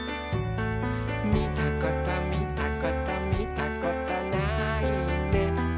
「みたことみたことみたことないね」